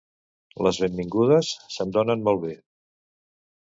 Les benvingudes se'm donen molt bé.